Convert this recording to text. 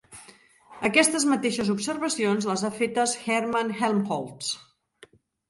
Aquestes mateixes observacions les ha fetes Hermann Helmholtz.